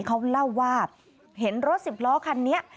เขาเล่าว่าเห็นรถสิบล้อคันนี้